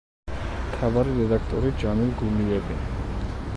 მთავარი რედაქტორი ჯამილ გულიევი.